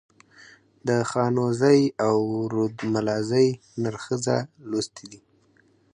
د خانوزۍ او رودملازۍ نر ښځه لوستي دي.